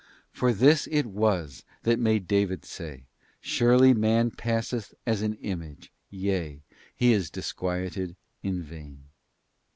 For this it was that made David say, 'Surely man passeth as an image, yea, and he is disquieted in vain.